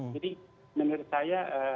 jadi menurut saya